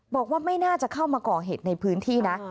บอกว่าไม่น่าจะเข้ามาก่อเหตุในพื้นที่นะ